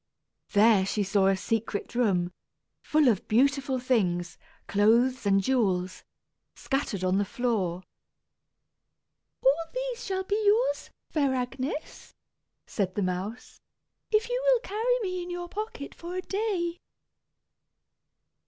There she saw a secret room, full of beautiful things clothes and jewels scattered on the floor. "All these shall be yours, fair Agnes," said the mouse, "if you will carry me in your pocket for a day."